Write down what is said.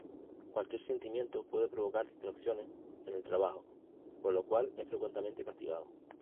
Cualquier sentimiento puede provocar distracciones en el trabajo, por lo cual es fuertemente castigado.